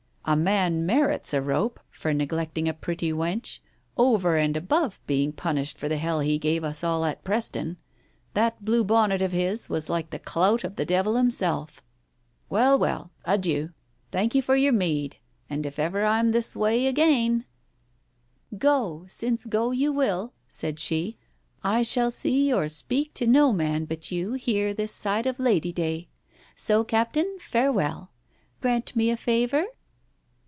A man merits a rope for neglecting a pretty wench, over and above being Digitized by Google 176 TALES OF THE UNEASY punished for the hell he gave us all at Preston. That blue bonnet of his was like the clout of the devil him self. Well, well, adieu. Thank you for your mead, and if ever I'm this way again " "Go, since go you will," said she, "I shall see or speak to no man but you here this side of Lady Day. So, Captain, farewell. Grant me a favour?"